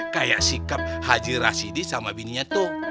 kayak sikap haji rashidi sama bininya tuh